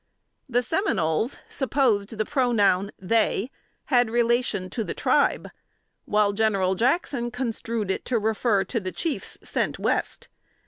The Seminoles supposed the pronoun they had relation to the Tribe; while General Jackson construed it to refer to the chiefs sent West.